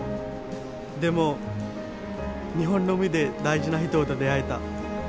でも日本の海で大事な人と出会えた。